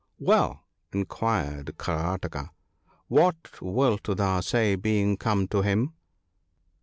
1 »)' Well/ inquired Karataka, ' what wilt thou say, being come to him